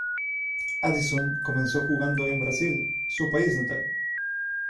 Addison comenzó jugando en Brasil, su país natal.